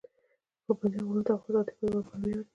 پابندی غرونه د افغانستان د هیوادوالو لپاره ویاړ دی.